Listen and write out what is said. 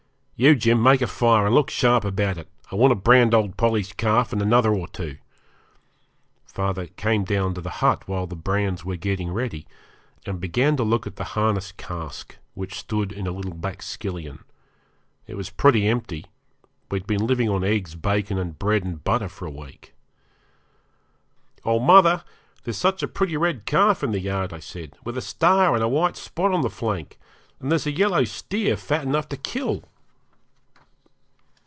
'You, Jim, make a fire, and look sharp about it. I want to brand old Polly's calf and another or two.' Father came down to the hut while the brands were getting ready, and began to look at the harness cask, which stood in a little back skillion. It was pretty empty; we had been living on eggs, bacon, and bread and butter for a week. 'Oh, mother! there's such a pretty red calf in the yard,' I said, 'with a star and a white spot on the flank; and there's a yellow steer fat enough to kill!'